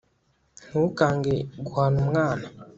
ntukange guhana umwana